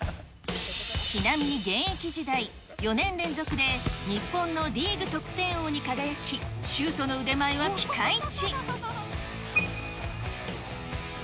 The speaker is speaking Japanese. ちなみに現役時代、４年連続で日本のリーグ得点王に輝き、シュートの腕前はピカイチ。